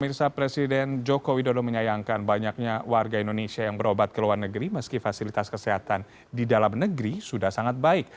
mirsa presiden joko widodo menyayangkan banyaknya warga indonesia yang berobat ke luar negeri meski fasilitas kesehatan di dalam negeri sudah sangat baik